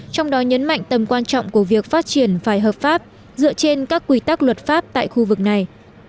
trong đó nhấn mạnh tầm quan trọng của việc phát triển phải hợp pháp dựa trên các quy tắc luật pháp tại khu vực này